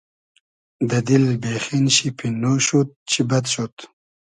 دۂ دیل بېخین شی پیننۉ شود چی بئد شود